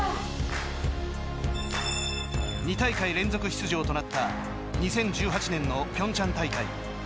２大会連続出場となった２０１８年のピョンチャン大会。